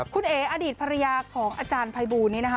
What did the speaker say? คุณเอ๋อดีตภรรยาของอาจารย์ภัยบูลนี้นะคะ